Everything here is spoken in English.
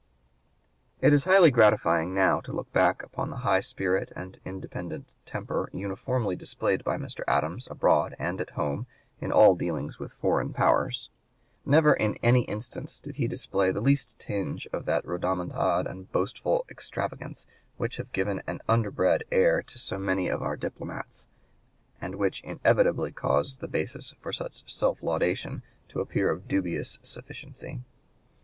It is highly gratifying now to look back upon the high spirit and independent temper uniformly displayed by Mr. Adams abroad and at home in all dealings with foreign powers. Never in any instance did he display the least tinge of that rodomontade and boastful extravagance which have given an underbred air to so many of our diplomats, and which inevitably cause the basis for such self laudation to appear of dubious sufficiency.